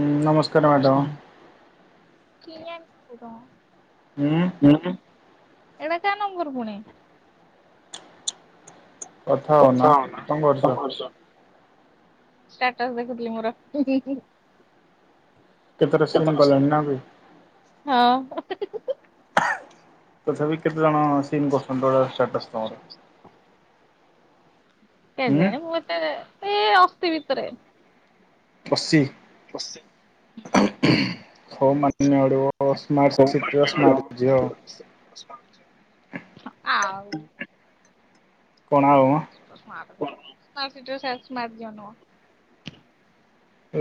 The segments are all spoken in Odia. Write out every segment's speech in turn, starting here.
ନମସ୍କାର ମ୍ୟାଡ଼ାମ କିଏୁର [inaudible] ହୁଁ। ହୁଁ ଏଟା କାହାର ନମ୍ବର ପୁଣି ହଉନ କଥା କଣ କରୁଛ? ହେଉନତମ ସହ ଷ୍ଟାଷ୍ଟସ ଦେଖୁଥିଲି ମୋର ହୁଁ ହୁଁ ହୁଁ। କେତଟାସିିନ୍ ଗଲାଣି ନା ବେ। ହଁ [inaudible] ତଥାପି କେତେ ଜଣ ସିନ୍ କରୁଛନ୍ତି ଷ୍ଟାଷ୍ଟସ୍ ତମର କେଇ ହୁଁ ଜାଣି ମୁଁ ଏତେ ସେ ଅସି ଭିତରେ। ଅସି। ଅସି ହୁଁ। ହୋମମ୍ୟଡିନି ଆଡୁ ସ୍ମାର୍ଟ ସିଟିର ସ୍ମାର୍ଟ ଝିଅ। ଆଉ [inaudible] କଣ ଆଉ। ମାର୍କ ସିଟି୍ର ସେଲ୍ ମାର୍କ ଦିଅ ନ [unintelligible]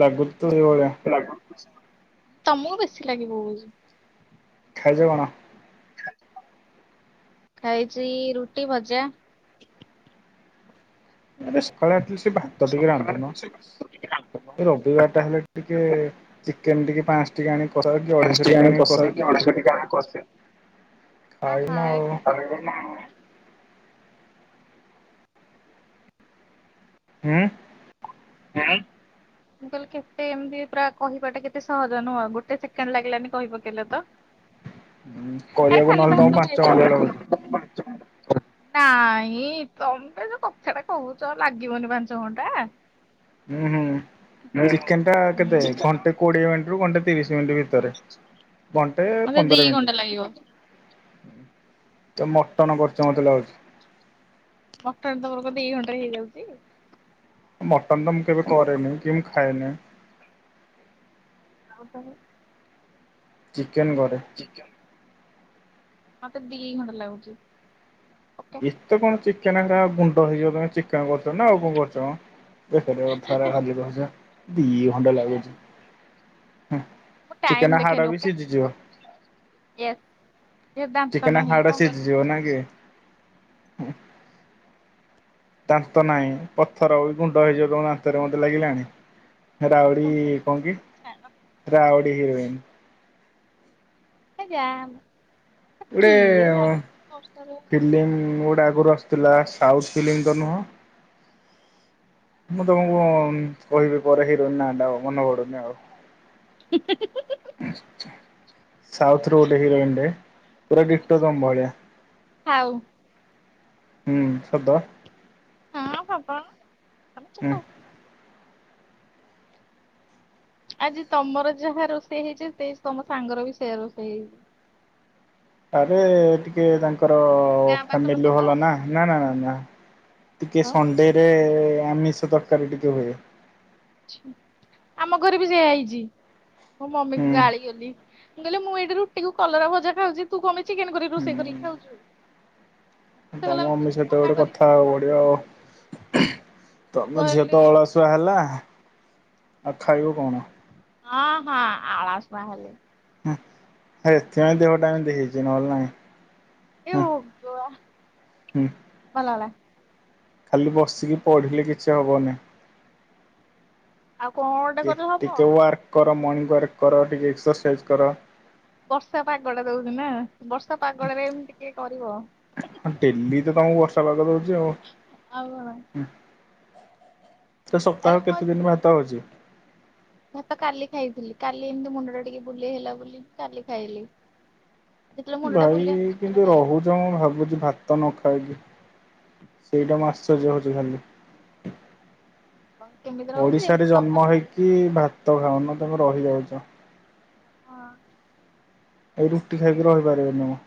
ଲାଗୁଚି ତ ସେଇଭଳିଆ। ଲାଗୁଚି ତମକୁ ବେଶୀ ଲାଗି ପକୋଉଚି [unintelligible] ଖାଇଚ କଣ? ଖାଇଛି ରୁଟି ଭଜା। ଆରେ ସକାଳେ ଅଟିଲିଷ୍ଟି ଭାତ ଟିକେ୍ ରାନ୍ଧୁନ ରବିବାର ଟା ହେଲେ ଟିକେ୍ ଚିକେନ୍ ଟିକେ୍ ପାଆଁସ ଟିକେ୍ ଆଣିକି କର କି ଅଢେଇଶ ଟିକେ ଆଣିକି କର। ଅ ହଁକ [unintelligible] ହୁଁ। ହୁଁ। ମୁଁ କହିଲେ କେତେ ଏମିତି ପ୍ରାୟ କହିବାଟା କେତେ ସହଜ ନୁହଁ ଆଉ ଗୋଟେ ସେକେଣ୍ଡ ଲାଗିଲାନି କହିପକେଇଲ ତ। କରିବାକୁ ନହେଲେ ତମକୁ ପାଞ୍ଚ ଘଣ୍ଟା ଲାଗୁଛି। ହ [inaudible] ନାଇଁ ତମେ ଯୋଉ କଥା ଟା କହୁଛ ଲାଗିବନି ପାଞ୍ଚ ଘଣ୍ଟା। ହୁଁ ହୁଁ ଚିକେନ୍ ଟା ହୁଁ କେତେ ଘଣ୍ଟେ କୋଡିଏ ମିନିଟ୍ ରୁ ଘଣ୍ଟେ ତିରିଶି ମିନିଟ୍ ଭିତରେ ଭିତରେ ଘଣ୍ଟେ ମତେ ଦି ପନ୍ଦର ଘଣ୍ଟା ମିନିଟ୍। ଲାଗିବ। ତମେ ମଟନ୍ କରୁଛ ମୋତେ ଲାଗୁଛି। ମଟନ୍ ତମର କଣ ଦି ଘଣ୍ଟାରେ ହେଇଯାଉଛି? ମଟନ୍ ତ ମୁଁ କେବେ କରେନି କି ମୁଁ ଖାଏନି। ଆଉ ତାହାଲେ। ଚିକେନ୍ କରେ। ମତେ ଦି ଘଣ୍ଟା ଲାଗୁଛି। ଓକେ ଏତେ କଣ ଚିକେନରା ଗୁରା ଗୁଣ୍ଡ ହେଇଯିବ ଚିକେନ କରୁଛ ନା ଆଉ କଣ କରୁଛ। ବେକାରିଆ କଥା ଗୁରା ଖାଲି କହୁଛ ଦି ଘଣ୍ଟା ଲାଗୁଛି ହୁଁ। ମୁଁ ଟାଇମ୍ ଦେଖେଇନି ଓକେ ୟେସ୍ ଦାନ୍ତ ନାହିଁ କଣ କରିବୁ ଡୋନା କିଏ? ଦାନ୍ତ ନାହିଁ ପଥର ଗୁଣ୍ଡ ହେଇଯିବ ତମ ଦାନ୍ତରେ ମୋତେ ଲାଗିଲାଣି। ରାଉଡି କରିବି କଣ କି ରାଉଡି ହିରୋଇନ୍ ଯା ମ। ଗୋଟେ ବର୍ଷାରେ ଫିଲ୍ମ ଗୋଟେ ଆଗରୁ ଆସୁଥିଲା ସାଉଥ ଫିଲ୍ମ ତ ନୁହଁ? ମୁଁ ତମକୁ କହିବି ପରେ ହିରୋଇନ୍ ନାଁ ଟା ମନେ ପଡୁନି ଆଉ। ସାଉଥରୁ ଗୋଟେ ହିରୋଇନଟେ ପୁରା ଡିଟୋ ତମ ଭଳିଆ। ଥାଉ। ହୁଁ ସଦ ହ [unintelligible] ହୁଁ। ଆଜି ତମର ଯାହା ରୋଷେଇ ହେଇଛି ସେ ତମ ସାଙ୍ଗର ବି ସେଆ ରୋଷେଇ ହେଇଛି। ଆରେ ଟିକେ ତାଙ୍କର ଓ ଗାଁ ପାଖ ଲୋକ ଫାମିଲି ତ ଭଲ ନା ନାଁ ନାଁ ନାଁ ନାଁ ଟିକେ ଆଉ ସନ୍ଦେ ଆମିଷ ତରକାରୀ ଟିକେ ହୁଏ। ଆମ ଘରେ ବି ସେଇଆ ହେଇଛି। ମୋ ମମି ହୁଁ କୁ ଗାଳି କଲି କହିଲେ ମୁଁ ଏଇଠି ରୁଟି କୁ କଲରା ଭଜା ଖାଉଛି। ତୁ କଣ ପାଇଁ ଚିକେନ କରି ହୁଁ। ରୋଷେଇ କରି ଖାଉଛୁ। ସେ ତମ କହିଲା ମୁଁ ମମି ତତେ କଣ ସହିତ ମନା ଗୋଟେ କରିଛି କଥା ତୁ ହବାକୁ ଖା। ପଡିବ ଆଉ ମୁଁ ତମ ଝିଅ ତ କହିଲି ଅ ସୁଆ ହେଲା ଆଉ ଖାଇବୁ କଣ? ହଁ ହଁ ଆଳସୁଆ ହେଲେ। ହୁଁ ଏଥିପାଇଁ ଦେହଟା ଏମିତି ହେଇଛି ନହେଲେ ନାହିଁ। ହେ ହୁଁ ଭଗବାନ୍ ହୁଁ। ଭଲ ହେଲା। ଖାଲି ବସିକି ପଢ଼ିଲେ କିଛି ହବନି। ଆଉ କଣ ଟେ କଲେ ହବ। ଟିକେ ୱାର୍କ କର ମର୍ଣ୍ଣିଙ୍ଗ ୱାର୍କ କର ଟିକେ ଏକ୍ସରସାଇଜ୍ କର। ବର୍ଷା ପାଗଟା ଦଉଛିି ନାଁ ବର୍ଷା ପାଗଟାରେ ଏମିତି କିଏ କରିବ। ହଁ ଡେଲି ତ ତମକୁ ବର୍ଷା ପାଗ ଦଉଛି ଆଉ ଆଉ କଣ? ତ ଆରେ ସପ୍ତାହ ମୋ କେତେ ଦିନ ଭାତ ହଉଛି? ଭାତ କାଲି ଖାଇଥିଲି କାଲି ଏମିତି ମୁଣ୍ଡ ଟା ଟିକେ ବୁଲେଇ ହେଲା ବୋଲି କାଲି ଖାଇଲି। ଯେତେବେଳେ ମୁଣ୍ଡ ଟା ଭାଇ ବୁଲେଇ ହବ କିନ୍ତୁ ସେତେଳେ ଖାଇବି। ମୁଁ ରହୁଛ ଭାବୁଛି ଭାତ ନ ଖାଇକି ସେଇଟା ମୁଁ ଆଶ୍ଚର୍ଯ୍ୟ ହଉଚି ଖାଲି। କଁ କେମିତି ରହୁଛି ଏମିତି ତମ କି ମାନଙ୍କର ସେମିତି ଭାତ ଖାଉନ ତମେ ରହିଯାଉଛ। ହଁ। ଏଇ ରୁଟି ଖାଇକି ରହିପାରିବିନି ମୁଁ।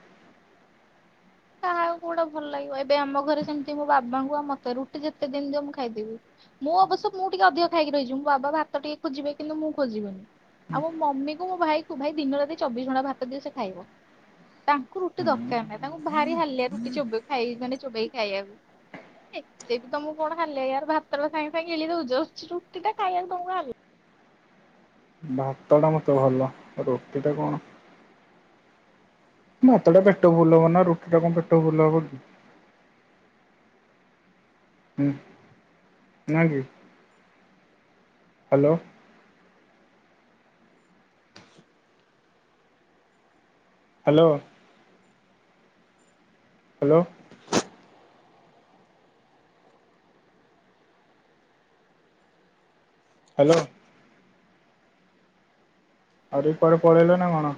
ତାହାଉ କୋଉଟା ଭଲ ଲାଗିବ ଏବେ ଆମ ଘରେ ସେମିତି ମୋ ବାବାଙ୍କୁ ଆଉ ମତେ ରୁଟି ଯେତେ ଦିନ ଦିଅ ମୁଁ ଖାଇଦେବି। ମୁଁ ଅବଶ୍ୟ ମୁଁ ଟିକେ ଅଧିକ ଖାଇକି ରହିଜିମି ବାବା ଭାତ ଟିକେ ଖୋଜିବେ କିନ୍ତ ମୁଁ ଖୋଜିବିନି। ଆଉ ମୋ ମମି କୁ ମୋ ଭାଇ କୁ ଭାଇ ଦିନ ରାତି ଚବିଶ ଘଣ୍ଟା ଭାତ ଦିଅ ସେ ଖାଇବ। ତାଙ୍କୁ ରୁଟି ଦରକାର ନାହିଁ ତାଙ୍କୁ ଭାରି ହାଲିଆ ରୁଟି ଚୋବେ ଖାଇ ମାନେ ଚୋବେଇକି ଖାଇବାକୁ। ଏତେ ବି ତମକୁ କଣ ହୋଲେୟାର ଭାତଟା ସାଙ୍ଗେ ସାଙ୍ଗେ ଗିଳି ଦଉଛ। ଚୁଟି ଟା ଖାଇବାକୁ ତମକୁ ଖ ଭାତ ଟା ମତେ ଭଲ ରୁଟି ଟା କଣ ହାତ ଟା ପେଟ ଫୁଲ୍ ହବନା ରୁଟି ଟା କଣ ପେଟ ଫୁଲ୍ ହବକି। ହୁ ନା କି? ହାଲୋ। ହାଲୋ। ହାଲୋ। ହାଲୋ। ଆରେ କୁଆଡ଼େ ପଳେଇଲ ନା କଣ?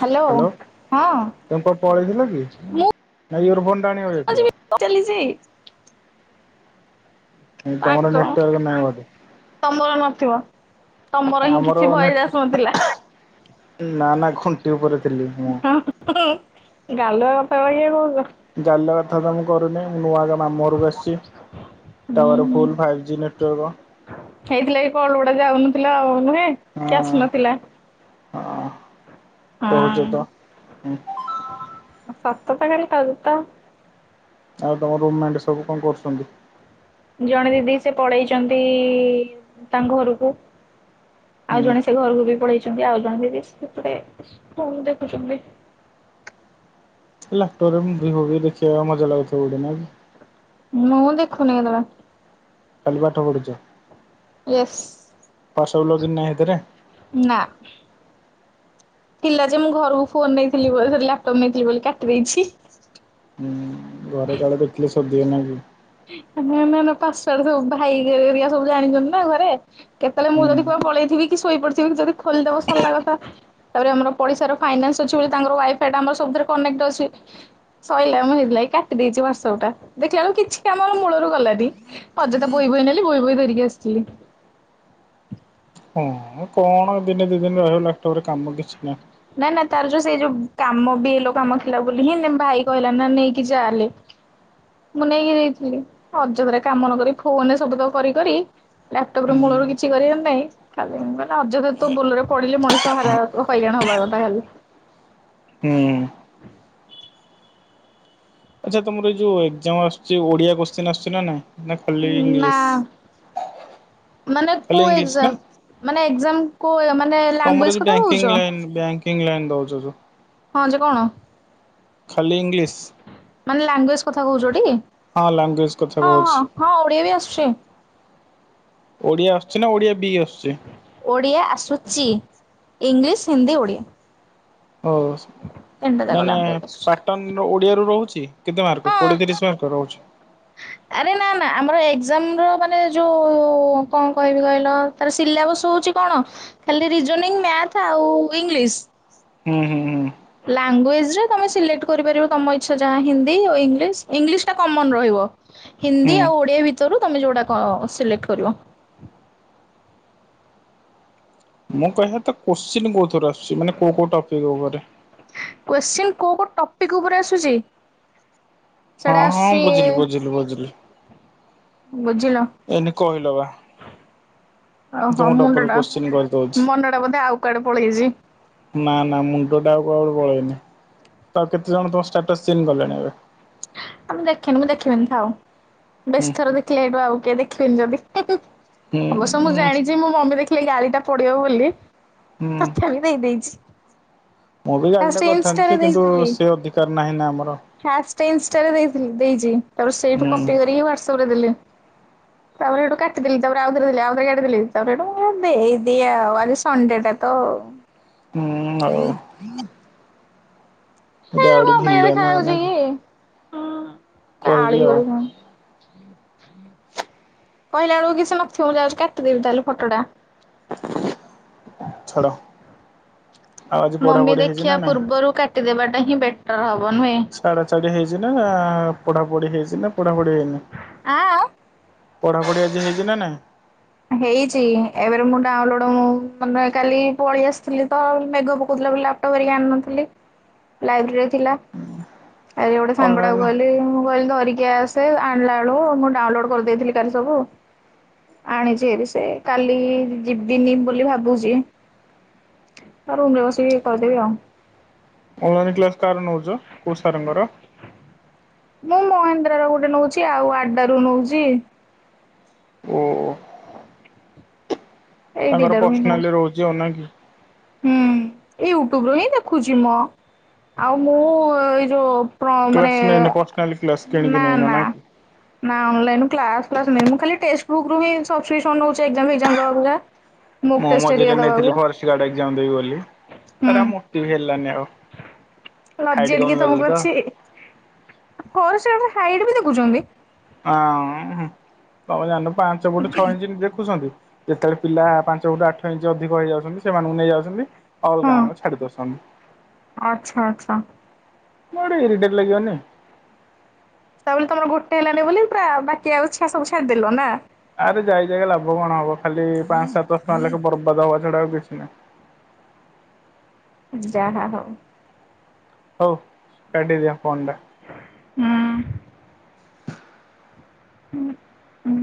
ହାଲୋ ହ୍ୟାଲୋ ହଁ। ତମେ କୁଆଡ଼େ ପଳେଇଥିଲ କି ନା ଏୟାରଫୋନେଟା ଆଣିବାକୁ ଯାଇଥିଲ। ଚାଲିଛିଇ [unintelligible] ପା ତମର କ ନେଟୱାର୍କ ନାହିଁ ବୋଧେ ତମର ନଥିବ। ତମର ହିଁ ଆମର କିଛି ନେଟ ଭୟସ ଆସୁନଥିଲା। ନା ନା ଖୁଣ୍ଟି ଉପରେ ଥିଲି ମୁଁ। ଗାଲୁଆ କଥା କହିବାକୁ। ଗାଲୁଆ କଥା ତ ମୁଁ କରୁନି ମୁଁ ଆଗ ମାମୁ ଘରକୁ ଆସିଛି। Tower full five G network. ହେଇଥିଲା ଏ କଳଗୁଡା ଯାଉନଥିଲା ଆଉ ନୁହେ କି ହଁ ଆସୁନଥିଲା। ହଁ। କହୁଛ ହଁ ତ ହୁଁ ସତ ଜାଗାରେ କାଲି ତ। ଆଉ ତମ ରୁମ୍ ମେଣ୍ଟ ସବୁ କଣ କରୁଛନ୍ତି? ଜଣେ ଦିଦି ସେ ପଳେଇଛନ୍ତି ତାଙ୍କ ଘରକୁ। ଆଉ ହୁଁ ଜଣେ ସେ ଘରକୁ ବି ପଳେଇଛନ୍ତି ଆଉ ଜଣେ ଦିଦି ସେପଟେ ଫୋନ୍ ଦେଖୁଛନ୍ତି। ଲାପଟୋପରେ ବିଏଵ ଦେଖିବାକୁ ମଜା ଲାଗୁଥିବ ବୋଧେ ନାଇଁ କି? ମୁଁ ଦେଖୁନି କେତେବେଳେ? ଖାଲି ପାଠ ପଢୁଛ। ଏସ ହ୍ୱାଟ୍ସଆପ ଲଗଇନ ନାହିଁ ସେଥିରେ ନା। ପିଲା ଯେ ମୁଁ ଘରକୁ ଫୋନ ନେଇଥିଲି ବୋଲି ଲାପଟପ୍ ନେଇଥିଲି ବୋଲି କାଟି ଦେଇଛି। ହୁଁ ଘରେ କାଳେ ଦେଖିଲେ ସୋଡିବେ ନାଇଁ କି? ନ ନା ପାସୁଆଡେ ସବୁ ଭାଇ ହରିକା ସବୁ ଜାଣିଛନ୍ତି ନା ଘରେ କେତେବେଳେ ମୁଁ ହୁଁ ଯଦି କୁହ ପଳେଇଥି କି ଶୋଇ ପଡିଥିବି କି ଯଦି ଖୋଲିଦବ ସରିଲା କଥା। ତାପରେ ଆମର ପଡିଶାର ଫାଇନାନ୍ସ ଅଛି ବୋଲି ତାଙ୍କର ୱାଇଫାଇ ଟା ଆମର ସବୁଥିରେ କନେକ୍ଟ ଅଛି। ସଇଲା ମୁଁ ସେଥିଲାଗି କାଟି ଦେଇଛି ୱାଟସପା ଟା ଦେଖିଲାବେଳକୁ କିଛି ଆମର ମୂଳରୁ ଗଲାନି ଅଯଥା ବହି ବହି ନେଲି ବହି ବହି ଧରିକି ଆସିଥିଲି। ହଁ କଣ ଦିନେ ଦି ଦିନ ରହିବ ଲାକ୍ଟପରେ କାମ କିଛି ନାହିଁ। ନା ନା ତାର ଯୋଉ ସେଇ ଯୋଉ କାମ ବି ଲ କାମ ଥିଲା ବୋଲି ହିଁ ଭାଇ କହିଲା ନା ନେଇକି ଚାଲେ। ହଁ ମୁଁ ନେଇକି ଯାଇଥିଲି ଅଯଥାରେ କାମ ନକ ଫୋନରେ ସବୁ ତ କରି କରି ଲାପଟପରେ ହୁଁ ମୂଳରୁ କିଛି କରିବାର ନାହିଁ। ଖାଲି ମାନେ ଅଯଥା ତୁ ବୋଲରେ ପଡିଲେ ମଣିଷ ହାର ହଇରାଣ ହବା କଥା ଖାଲି। ହୁଁ। ଆଚ୍ଛା ତମର ଏଇ ଯୋଉ ଏକ୍ଜାମ ଆସୁଛି ଓଡିଆ କୋଶ୍ଚିନ ଆସୁଛିନା ନାାଇଁ। ନା ଖାଲି ନା ଇଂଲିଶ। ମାନେ ଖାଲି କୋଉ ଇଂଲିଶ ନା ଏକ୍ଜାମ?। ମାନେ ଏକ୍ଜାମ କୋଉ ମାନେ ତମର ଲାଙ୍ଗୁଏଜ ଯୋଉ କଥା ବ୍ୟାଙ୍କିଙ୍ଗ କହୁଛ। ଲାଇନ ବ୍ୟାଙ୍କିଙ୍ଗ ଲାଇନ ଦଉଛ ଯୋଉ ହଁ ଯେ କଣ? ଖାଲି ଇଂଲିସ୍। ମାନେ ଲାଙ୍ଗୁଏଜ କଥା କହୁଛଟି। ହଁ ଲାଙ୍ଗୁଏଜ କଥା ହଁ କହୁଛି ହଁ ହଁ ଓଡ଼ିଆ ବି ଆସୁଛି। ଓଡ଼ିଆ ଆସୁଛି ନା ଓଡ଼ିଆ ବି ଆସୁଛି। ଓଡ଼ିଆ ଆସୁଛି। ଇଂଲିଶ, ହିନ୍ଦୀ, ଓଡ଼ିଆ। ଓହୋ ଯାକ ମାନେ ଲାଙ୍ଗୁଏଜ ଆସୁଛି। ପାଟନ। ଓଡିଆରୁ ରହୁଛି କେତେ ମାର୍କ ହଁ କୋଡିଏ ତିରିଶ ମାର୍କ ରହୁଛି। ଆରେ ନା ନା ଆମର ଏକ୍ଜାମ ର ମାନେ ଯୋଉ କଣ କହିବି କହିଲ। ତାର ସିଲାବସ୍ ହଉଛି କଣ ଖାଲି ରିଜନିଂ ମ୍ୟାଥ ଆଉ ଇଂଲିଶ। ହୁଁ ହୁଁ ହୁଁ। ଲାଙ୍ଗୁଏଜରେ ତମେ ସିଲେକ୍ଟ କରିପାରିବ ତମ ଇଛା ଯାହା ହିନ୍ଦିୀ, ଇଂଲିଶ, ଇଂଲିଶ ଟା କମନ ରହିବ। ହିନ୍ଦୀ ହୁଁ। ଆଉ ଓଡିଆ ଭିତରୁ ତମେ ଯୋଉଟା ସିଲେକ୍ଟ କରିବ। ମୁଁ କହିବା କଥା କୋଶ୍ଚିନ୍ କୋଉ ଥର ଆସୁଛି ମାନେ କୋଉ କୋଉ ଟପିକ ଉପରେ। କୋଶ୍ଚିନ କୋଉ କୋଉ ଟପିକ ଉପରେ ଆସୁଛି। ହଁ ସେଟା ହଁ ଆସୁଛି ବୁଝିଲି ବୁଝିଲୁ ବୁଝିଲି। ବୁଝିଲ। ଏଇନେ କହିଲ ବା। ଓହୋ ତମକୁ ଡବଲ ମୁଣ୍ଡଟା। କୋଶ୍ଚିନ୍ କରିଦଉଛି। ମନଟା ବୋଧେ ଆଉ କୁଆଡେ ପଳେଇଛି। ନା ନା ମୁଣ୍ଡ ଟା ଆଉ କଉଡେ ପଳେଇନି। ଆଉ କେତେ ଜଣ ଦଶଟା କୋସଚିନି କଲେଣି ଏବେ। ଆ ମୁଁ ଦେଖିନି ମୁଁ ଦେଖିବିନି ଥାଉ। ବେଶୀ ହୁଁ ଥର ଦେଖିଲେ ଏଇଠୁ ଆଉ କିଏ ଦେଖିବିନି ଯଦି। ହୁଁ ଅବଶ୍ୟ ମୁଁ ହୁଁ ଜାଣିଛି ମୋ ମମି ଦେଖିଲେ ଗାଳି ଟା ପଡିବ ବୋଲି। ହୁଁ। ଖେଳି ଦେଇଦେଇଛି। ମୁଁ ବି ଫାଷ୍ଟ ଗାଳିଟେ କରିଥାନ୍ତି ଇନଷ୍ଟାରେ ଯେ କିନ୍ତୁ ଦେଇଥିଲି। ସେ ଅଧିକାର ନାହିଁ ନା ଆମର। ଫାଷ୍ଟ ଇନଷ୍ଟାରେ ଦେଇଛି ତାପରେ ସେଇଠୁ କପି କରିକି ହ୍ୱାଟ୍ସଅପରେ ଦେଲେ। ହଁ। ତାପରେ ହେଟୁ କାଟିଦେଲି। ତା ପରେ ଆଉ ଥରେ ଦେଲି। ଆଉ ଥରେ କାଟିଦେଲି ତା ପରେ ହେଟୁ ଦେଇ ଦିଏ ଆଜି ସନଡେ ଟା ତ। ହୁଁ ହଉ। ସେଠି ଆଉ ଟିକେ ଇଏ ଲଗାନା। ହୁଁ ତାଳି ଆଉ ଗରୁ। କହିଲା ବେଳକୁ ସେ ନଥିବ ମୁଁ ଯାଉଛି କାଟିଦେଵି ଫୋଟୋ ଟା। ଛାଡ଼। ମମି ଦେଖିବା ନାଇଁ? ପୂର୍ବରୁ କାଟିଦେବା ଟା ହିଁ ବେଟର ହବ ନୁହେଁ। ଛାଡା ଛାଡ଼ି ହେଇଛି ନା ପଢ଼ାପଢ଼ି ହୋଇଛି ନା ପଢ଼ାପଢ଼ି ହୋଇନି। ଆ। ପଢ଼ାପଢ଼ି ଆଜି ହେଇଛି ଆଜି ହେଇନି। ହେଇଛି ଏବେ ମୁଁ ଡାଉନଲୋଡ଼ ମାନେ କାଲି ପଳେଇ ଆସିଥିଲି ତ ମେଘ ପକଉଥିଲା ବୋଲି ଆଉ। ଫଟୋ କରିକି ଆଣି ନଥିଲି ଲାଇବ୍ରେରୀରେ ଥିଲା। ଆଜି ଗୋଟେ ସାଙ୍ଗ ଟାକୁ ଅନଲାଇନ କହିଲି ମୁଁ କହିଲି ଧରିକି ଆସ ସେ ଆଣିଲା ବେଳୁ ମୁଁ ଡାଉନଲୋଡ କରିଦେଇଥିଲି କାଲି ସବୁ ଆଣିଛି, ସିଏ ବି ସେ କାଲି ଯିବିନି ବୋଲି ଭାବୁଛି, ତା ରୁମ ରେ ବସିକି କରିଦେବି ଆଉ, ଅନଲାଇନ୍ କ୍ଲାସ କାହାର ନଉଛ କୋଉ ସାର୍ ଙ୍କର ମୁଁ ମହେନ୍ଦ୍ରା ର ଗୋଟେ ନଉଛି ଆଉ ଆଡା ର ନଉଛି, ଓ ଏଇ ତାଙ୍କର ଦିଟାରୁ ହିଁ ନଉଚି। ପର୍ସନାଲି ରହୁଛି ହନା କି ହୁଁ ଏ ୟୁଟ୍ୟୁବ ର ହିଁ ଦେଖୁଛି ମୁଁ ଆଉ ମୁଁ ଏଇ ଯୋଉ, ପ୍ର ମାନେ କ୍ଲାସ୍ ନେଇନି ପର୍ସନାଲି କ୍ଲାସ୍ କିଣିକି ନା ନେଇନ ନା କି? ନା ଅଲାଇନି କ୍ଲାସ ଫ୍ଲାସ ନଁ ମୁଁ ଖା ଟେଷ୍ଟ ଵୁକ୍ ରୁ ହ ସବ ନଉଛି ଏଜାମ ଫେଜାମ ଦେବାକୁ ଯେ, ମୁଁ ମଝିରେ ନେଇଥିଲି ଫରେଷ୍ଟ ଗାର୍ଡ ଏଜାମ ଦେବି ବୋଲି, ତାରା ହୁଁ ମୋଟିବି ହେଲାନି ଆଉ ଲଜ୍ଜା ହାଇଟି କମି ଗଲା ତ ହର [inaudible] ସେ ହାଇଟ ବି ଦେଖୁଛନ୍ତି ହଁ ତମ ଜାଣିନ ପାଞ୍ଚ ଫୁଟ ଛଅ ଇଞ୍ଚ ଦେଖୁଛନ୍ତି, ଯେତେବେଳେ ପିଲା ପାଞ୍ଚଟୁ ଆଠ ଇଞ୍ଚ ଅଧିକ ହେଇଯାଉଛନ୍ତି ସେମାନଙ୍କୁ ନେଇଯାଉଛନ୍ତି। ହଁ ଅଲଗା ମାନଙ୍କୁ ଛାଡି ଦଉଛନ୍ତି ଆଚ୍ଛା ଆଚ୍ଛା ଇଡିଟେଟ ଲାଗିବନି, ତାପ ତମର ଗୋଟେ ହେଲାନି ବୋଲି ପୁରା ବାକି ଆଉ ଛାଡ଼ି, ସବୁ ଛାଡିଦେଲ ନା, ଆରେ ଯାଇ ଯାଇ ଲାଭ କଣ ହବ ଖାଲି ପାଞ୍ଚ ସାତ ଶହ ଟଙ୍କା ଲାଖେ ବର୍ବାଦ ହବା ଛଡା ଆଉ କିଛି ନାହିଁ। ଯାଆ ହଉ ହଉ କାଟି ଦିଅ ଫୋନ ଟା ହୁଁ ହୁଁ ହୁଁ